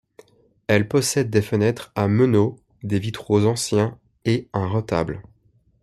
Elle possède des fenêtres à meneaux, des vitraux anciens et un retable.